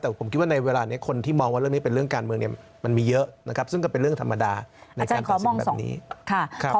แต่ผมคิดว่าในเวลานี้คนที่มองว่าเรื่องนี้เป็นเรื่องการเมืองเนี่ยมันมีเยอะนะครับซึ่งก็เป็นเรื่องธรรมดาในการตัดสินแบบนี้ครับ